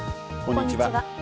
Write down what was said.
こんにちは。